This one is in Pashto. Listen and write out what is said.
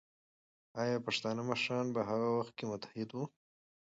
ایا پښتانه مشران په هغه وخت کې متحد وو؟